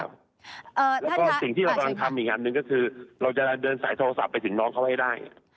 เอ่อแล้วก็สิ่งที่เรากางทำอีกอย่างหนึ่งก็คือเราจะเสาไปถึงน้องเขาให้ได้